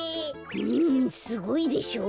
うんすごいでしょ？